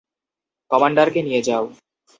কমান্ডারকে নিয়ে যাও।